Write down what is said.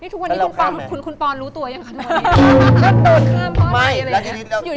ทุกวันนี้คุณปอนรู้ตัวยังคะวันนี้